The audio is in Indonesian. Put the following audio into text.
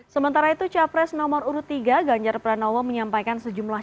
sementara itu capres nomor urut tiga ganjar pranowo menyampaikan sejumlah